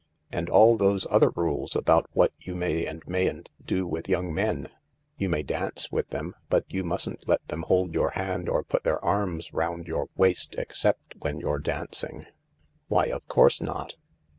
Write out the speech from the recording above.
"And all those other rules about what you may and mayn't do with young men ? You may dance with them, but you mustn't let them hold your hand or put their arms round your waist except when you're dancing." "Why, of course not!"